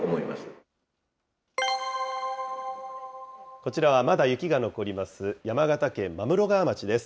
こちらはまだ雪が残ります、山形県真室川町です。